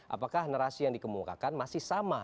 apakah narasi yang dikemukakan masih sama